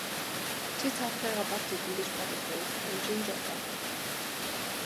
Чи цаадхыгаа барж иднэ гэж бодож байвал гонжийн жоо доо.